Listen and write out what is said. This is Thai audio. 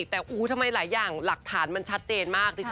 แต่โอ้ยทำไมหลายอย่างหลักฐานมันชัดเจนมาก